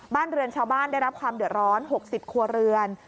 บ้านเรือนชาวบ้านได้รับความเดือดร้อน๖๐ครัวเรือน